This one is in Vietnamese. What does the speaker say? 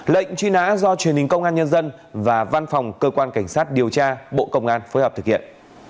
lệnh truy nã do truyền hình công an nhân dân và văn phòng cơ quan cảnh sát điều tra bộ công an phối hợp thực hiện